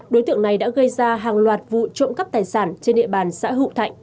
đối tượng này đã gây ra hàng loạt vụ trộm cắp tài sản trên địa bàn xã hữu thạnh